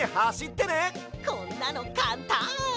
こんなのかんたん！